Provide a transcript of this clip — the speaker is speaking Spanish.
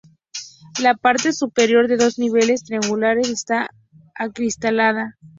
La parte superior de dos niveles triangulares, está acristalada.